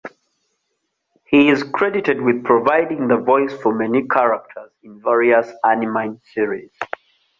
He is credited with providing the voice for many characters in various anime series.